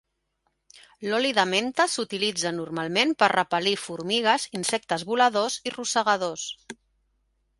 L'oli de menta s'utilitza normalment per repel·lir formigues, insectes voladors i rosegadors.